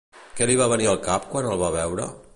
Què li va venir al cap quan el va veure?